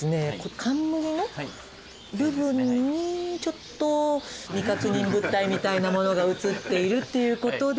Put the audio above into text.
冠の部分にちょっと未確認物体みたいなものが写っているっていう事で。